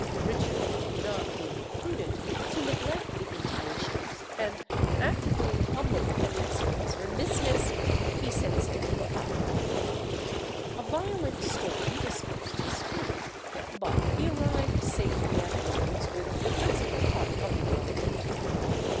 Richard did not deem it prudent to neglect the intimations; and, after doing humble penance for his remissness, he set sail for Acre. A violent storm dispersed his fleet, but he arrived safely at Rhodes with the principal part of the armament.